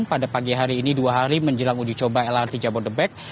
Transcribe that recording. pada pagi hari ini dua hari menjelang uji coba lrt jabodebek